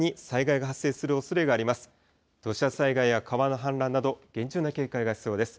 土砂災害や川の氾濫など、厳重な警戒が必要です。